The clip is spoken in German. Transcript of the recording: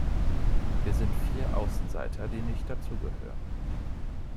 Wir sind vier Außenseiter, die nicht dazu gehören